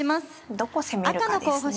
どこ攻めるかですね。